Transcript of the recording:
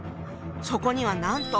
そこにはなんと！